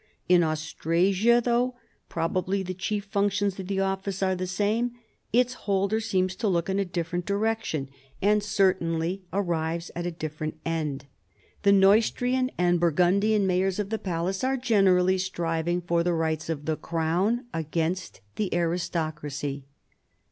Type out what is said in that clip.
In Austrasia, though probably the chief functions of the office are the same, its holder seems to look in a different direction, and certainly ar EARLY MAYORS OF THE PALACE. 27 rives at a different end. The Neustrian and Bur gundian mayors of the palace are generally striving for the rights of the crown against the aristocracy.